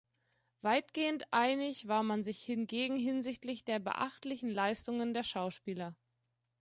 Weitgehend einig war man sich hingegen hinsichtlich der beachtlichen Leistungen der Schauspieler.